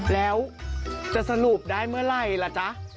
แล้วจะสรุปได้เมื่อไหร่ล่ะจ๊ะ